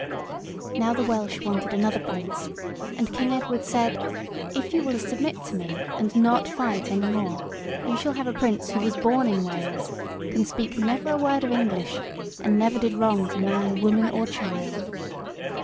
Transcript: Now the Welsh wanted another prince, and King Edward said: "If you will submit to me and not fight any more, you shall have a prince who was born in Wales, can speak never a word of English, and never did wrong to man, woman, or child."